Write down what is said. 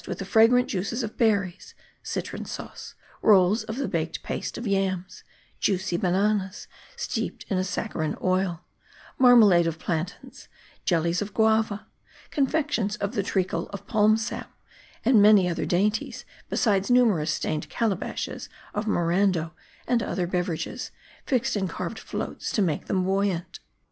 with the fragrant juices of berries ; citron sauce ; rolls of the baked paste of yams ; juicy bananas, steeped in a sacchar ine oil ; marmalade of plantains ; jellies of guava ; confec tions of the treacle of palm sap ; and many other dainties ; besides numerous stained calabashes of Morarido, and other beverages, fixed in carved floats to make them buoyant.